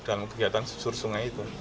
dalam kegiatan susur sungai itu